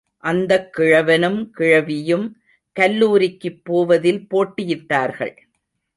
அந்தக் கிழவனும் கிழவியும் கல்லூரிக்குப் போவதில் போட்டியிட்டார்கள்.